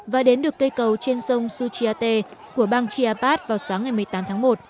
và đến được cây cầu trên sông suchiate của bang chiapas vào sáng ngày một mươi tám tháng một